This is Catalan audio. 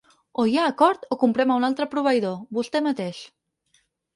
O hi ha acord o comprem a un altre proveïdor, vostè mateix.